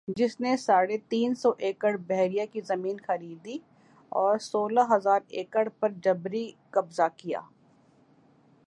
جس نے ساڑھے تین سو ایکڑبحریہ کی زمین خریدی اور سولہ ھزار ایکڑ پر جبری قبضہ کیا